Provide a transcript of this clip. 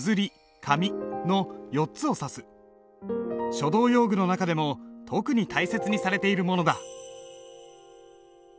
書道用具の中でも特に大切にされているものだ。